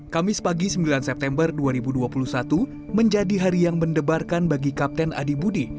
kamis pagi sembilan september dua ribu dua puluh satu menjadi hari yang mendebarkan bagi kapten adibudi